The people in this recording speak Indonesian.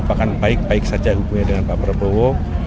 bahkan baik baik saja hubungannya dengan pak prabowo